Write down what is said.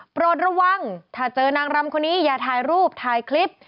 โปรดระวังถ้าเจอนางรำคนนี้อย่าถ่ายรูปถ่ายคลิป